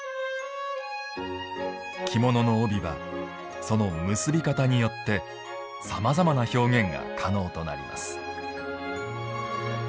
着物の帯はその結び方によってさまざまな表現が可能となります。